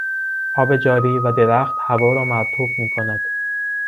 آب جاری و درخت هوا را مرطوب میکند.